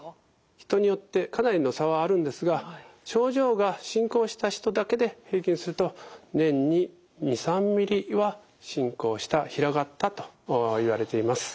人によってかなりの差はあるんですが症状が進行した人だけで平均すると年に２３ミリは進行した広がったといわれています。